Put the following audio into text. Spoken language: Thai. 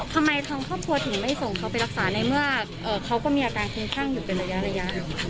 ทำไมทั้งครอบครัวถึงไม่ส่งเขาไปรักษาในเมื่อเขาก็มีอาการคิงข้างอยู่เป็นระยะระยะ